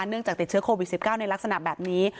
เนื่องจากติดเชื้อโควิด๑๙ในลักษณะแบบนี้